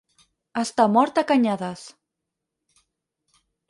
Estar mort a canyades.